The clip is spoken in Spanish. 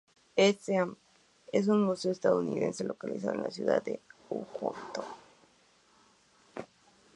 E. Seaman es un museo estadounidense localizado en la ciudad de Houghton.